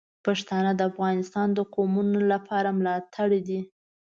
پښتانه د افغانستان د قومونو لپاره ملاتړي دي.